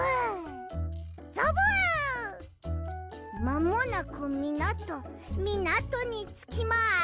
まもなくみなとみなとにつきます！